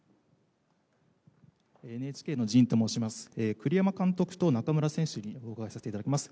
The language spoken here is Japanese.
栗山監督と中村選手にお伺いさせていただきます。